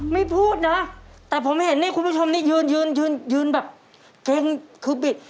ไม่พูดนะแต่ผมเห็นคุณผู้ชมนี้ยืนแบบเกรงคืบบิด